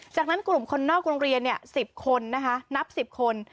จากนั้นกลุ่มคนนอกโรงเรียน๑๐คนนะคะนับ๑๐คน